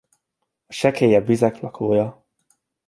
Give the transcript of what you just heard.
A sekélyebb vizek lakója.